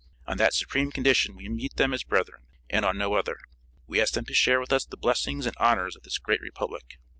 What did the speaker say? On that supreme condition we meet them as brethren, and on no other. We ask them to share with us the blessings and honors of this great republic.